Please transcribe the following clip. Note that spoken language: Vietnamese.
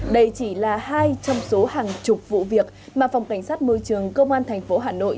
đây chỉ là hai trong số hàng chục vụ việc mà phòng cảnh sát môi trường cơ quan tp hà nội